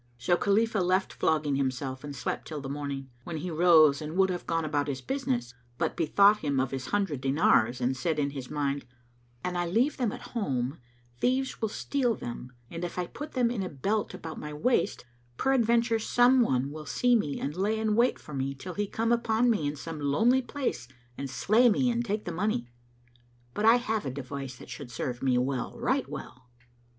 So Khalifah left flogging himself and slept till the morning, when he rose and would have gone about his business, but bethought him of his hundred dinars and said in his mind, "An I leave them at home, thieves will steal them, and if I put them in a belt [FN#211] about my waist, peradventure some one will see me and lay in wait for me till he come upon me in some lonely place and slay me and take the money: but I have a device that should serve me well, right well."